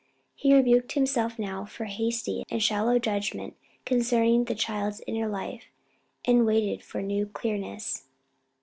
He rebuked himself now for a hasty and shallow judgment concerning the child's inner life, and waited for new clearness.